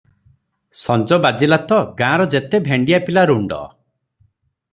ସଞ୍ଜ ବାଜିଲା ତ, ଗାଁର ଯେତେ ଭେଣ୍ଡିଆ ପିଲା ରୁଣ୍ଡ ।